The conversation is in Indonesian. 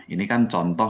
ini kan contoh